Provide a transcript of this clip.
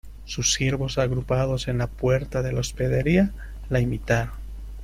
sus siervos, agrupados en la puerta de la hospedería , la imitaron